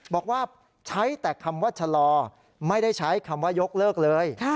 บอกว่าใช้แต่คำว่าชะลอไม่ได้ใช้คำว่ายกเลิกเลย